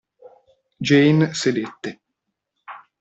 Jane sedette.